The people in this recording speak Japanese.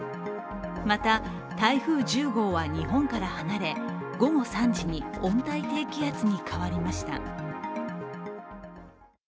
また台風１０号は日本から離れ、午後３時に温帯低気圧に変わりました。